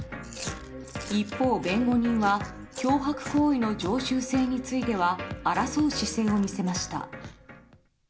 一方、弁護人は脅迫行為の常習性については争う姿勢を見せました。